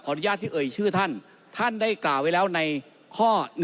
อนุญาตที่เอ่ยชื่อท่านท่านได้กล่าวไว้แล้วในข้อ๑